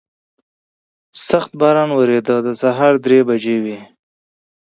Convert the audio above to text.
سخت باران ورېده، د سهار درې بجې به وې.